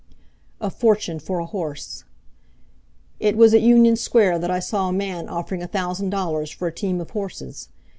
A Fortune for a Horse! It was at Union Square that I saw a man offering a thousand dollars for a team of horses.